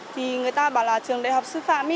thì người ta bảo là trường đại học sư phạm